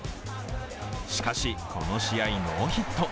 しかし、この試合ノーヒット。